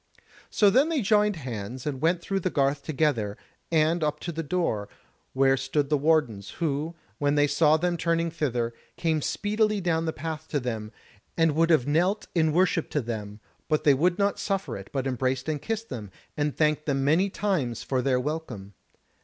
So then they joined hands and went through the garth together, and up to the door, where stood the wardens, who, when they saw them turning thither, came speedily down the path to them, and would have knelt in worship to them; but they would not suffer it, but embraced and kissed them, and thanked them many times for their welcome.